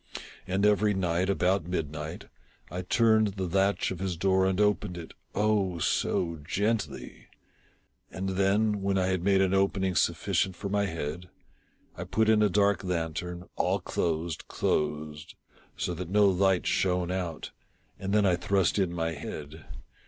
And every night, about midnight, I turned the latch of his door and opened it — oh, so gently ! And then, when I had made an opening sufficient for my head, I put in a dark lantern, all closed, closed, so that no light shone out, and then I thrust in my head.